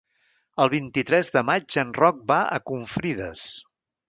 El vint-i-tres de maig en Roc va a Confrides.